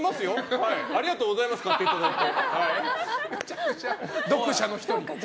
ありがとうございます買っていただいて。